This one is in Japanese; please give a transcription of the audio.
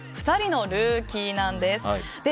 ２人のルーキーなんです。